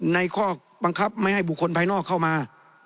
ข้อบังคับไม่ให้บุคคลภายนอกเข้ามา